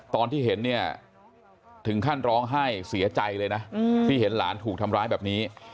ตอนที่เห็นเนี่ยถึงขั้นร้องไห้เสียใจเลยนะที่เห็นหลานถูกทำร้ายแบบนี้